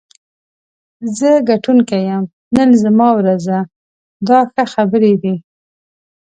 زه ګټونکی یم، نن زما ورځ ده دا ښه خبرې دي.